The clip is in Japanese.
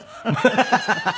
ハハハハ。